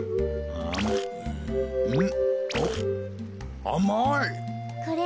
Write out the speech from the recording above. うん。